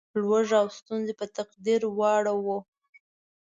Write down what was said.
لوږه او ستونزې په تقدیر وراړوو.